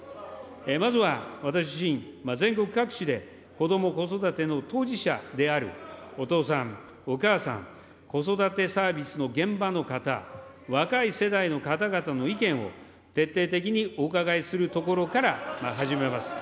まずは私自身、全国各地で、こども・子育ての当事者であるお父さん、お母さん、子育てサービスの現場の方、若い世代の方々の意見を徹底的にお伺いするところから始めます。